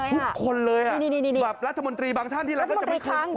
ทุกคนเลยแบบรัฐมนตรีบางท่านที่รักก็จะไม่เคลื่อนไหล